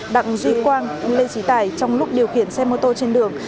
đặng duy quang lê trí tài trong lúc điều khiển xe mô tô trên đường